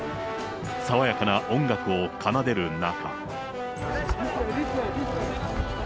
爽やかな音楽を奏でる中。